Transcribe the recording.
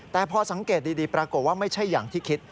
แต่พอสังเกตดีปรากฏว่าไม่ใช่อย่างที่คิด